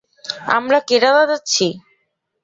আমরা কেরালা যাচ্ছি?